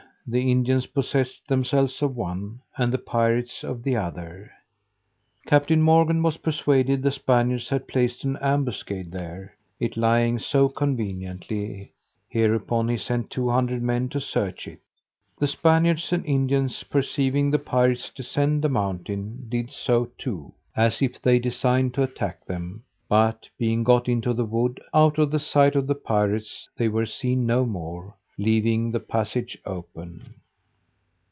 The Indians possessed themselves of one, and the pirates of the other. Captain Morgan was persuaded the Spaniards had placed an ambuscade there, it lying so conveniently: hereupon, he sent two hundred men to search it. The Spaniards and Indians perceiving the pirates descend the mountain, did so too, as if they designed to attack them; but being got into the wood, out of sight of the pirates, they were seen no more, leaving the passage open.